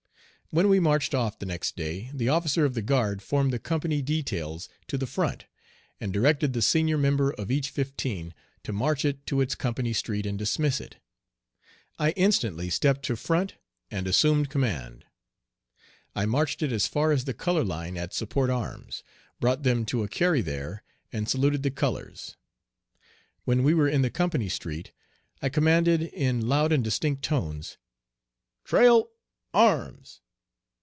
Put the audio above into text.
When we marched off the next day the officer of the guard formed the company details to the front, and directed the senior member of each fifteen to march it to its company street and dismiss it. I instantly stepped to front and assumed command. I marched it as far as the color line at "support arms;" brought them to a "carry" there and saluted the colors. When we were in the company street, I commanded in loud and distinct tone, "Trail arms!